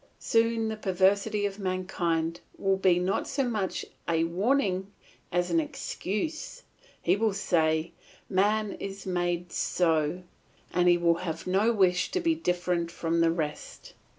Soon the perversity of mankind will be not so much a warning as an excuse; he will say, "Man is made so," and he will have no wish to be different from the rest.